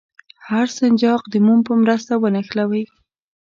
هر سنجاق د موم په مرسته ونښلوئ.